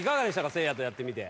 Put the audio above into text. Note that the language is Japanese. せいやとやってみて。